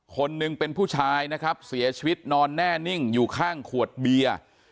คนหนึ่งเป็นผู้ชายนะครับเสียชีวิตนอนแน่นิ่งอยู่ข้างขวดเบียร์